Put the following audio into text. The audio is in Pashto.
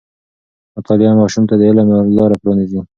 مطالعه ماشوم ته د علم لاره پرانیزي.